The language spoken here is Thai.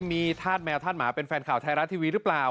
มีธาตุแมวธาตุหมาเป็นแฟนข่าวไทยรัฐทีวีหรือเปล่า